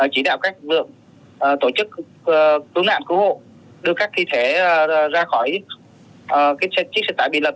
chỉ đạo các lực tổ chức cứu nạn cứu hộ đưa các thi thể ra khỏi chiếc xe tải bị lậ